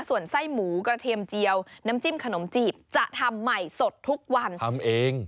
ส่วนไส้หมูกระเทียมเจียวน้ำจิ้มขนมจีบจะทำใหม่สดทุกวันทำเอง